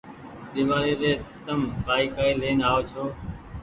ۮيوآڙي ري تم ڪآئي ڪآئي لين آئو ڇو